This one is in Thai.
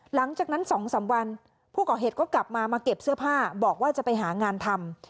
หลังจากนั้น๒๓วันผู้ก่อเหตุก็กลับมามาเก็บเสื้อผ้าบอกว่าจะไปหางานทำ